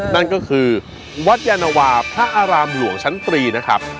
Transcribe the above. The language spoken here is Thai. นั่นก็คือวัดยานวาพระอารามหลวงชั้นตรีนะครับ